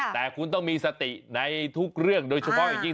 แต่คุณต้องมีสติในทุกเรื่องโดยเฉพาะอย่างยิ่ง